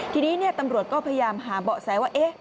ทีนี้ตำรวจก็พยายามหาเบาะแสว่า